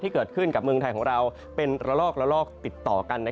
เกิดขึ้นกับเมืองไทยของเราเป็นระลอกระลอกติดต่อกัน